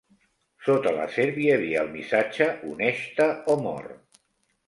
Sota la serp hi havia el missatge "Uneix-te o mor".